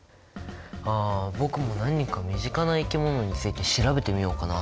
あ僕も何か身近な生き物について調べてみようかな？